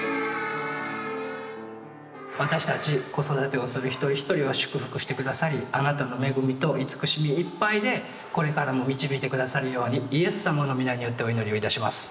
私たち子育てをする一人一人を祝福して下さりあなたの恵みと慈しみいっぱいでこれからも導いて下さるようにイエス様の御名によってお祈りをいたします。